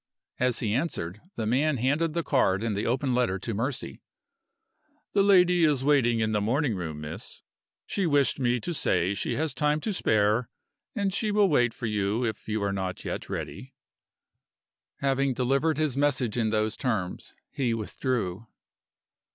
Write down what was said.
As he answered, the man handed the card and the open letter to Mercy. "The lady is waiting in the morning room, miss. She wished me to say she has time to spare, and she will wait for you if you are not ready yet." Having delivered his message in those terms, he withdrew.